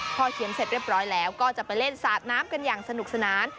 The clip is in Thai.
พอเขียนเสร็จเรียบร้อยแล้วก็จะไปเล่นสาดน้ำกันอย่างสนุกสนาน